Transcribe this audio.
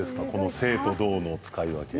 静と動の使い分け。